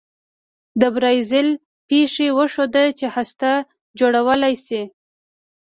د برازیل پېښې وښوده چې هسته جوړولای شي.